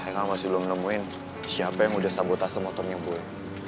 hai kau masih belum nemuin siapa yang udah sabotase motornya boy